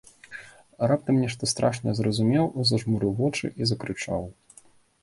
Раптам нешта страшнае зразумеў, зажмурыў вочы і закрычаў.